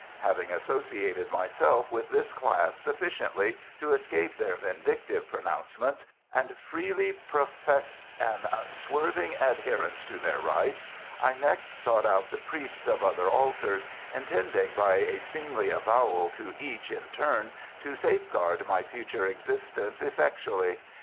Having associated myself with this class sufficiently to escape their vindictive pronouncements, and freely professed an unswerving adherence to their rites, I next sought out the priests of other altars, intending by a seemly avowal to each in turn to safeguard my future existence effectually.